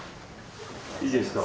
いいですか？